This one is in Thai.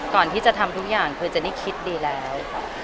ก่อนที่จะทำทุกอย่างคือเจนนี่คิดดีแล้ว